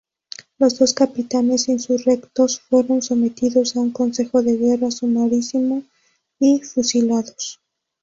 Los dos capitanes insurrectos fueron sometidos a un consejo de guerra sumarísimo y fusilados.